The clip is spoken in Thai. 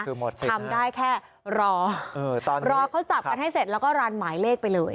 คือทำได้แค่รอรอเขาจับกันให้เสร็จแล้วก็รันหมายเลขไปเลย